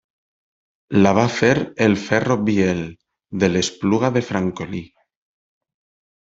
La va fer el ferro Biel, de l'Espluga de Francolí.